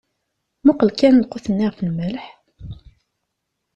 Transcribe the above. Muqel kan lqut-nni ɣef lmelḥ.